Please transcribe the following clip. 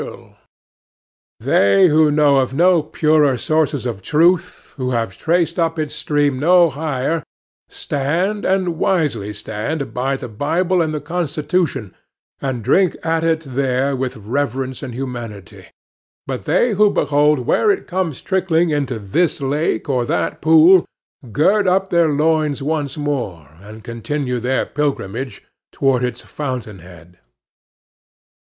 [These extracts have been inserted since the Lecture was read —HDT] They who know of no purer sources of truth, who have traced up its stream no higher, stand, and wisely stand, by the Bible and the Constitution, and drink at it there with reverence and humanity; but they who behold where it comes trickling into this lake or that pool, gird up their loins once more, and continue their pilgrimage toward its fountain head.